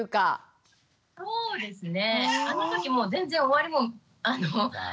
そうですね。